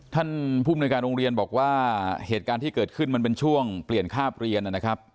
ท่านผู้มนุยการโรงเรียนบอกว่าเหตุการณ์ที่เกิดขึ้นมันเป็นช่วงเปลี่ยนคาบเรียนนะครับ